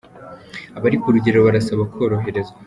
Abari ku rugerero barasaba koroherezwa